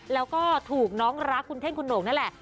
แล้วก็ถูกน้องรักคุณเท่งคุณโหน่งนั่นแหละ